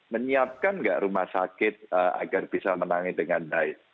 menyiapkan nggak rumah sakit agar bisa menangani dengan baik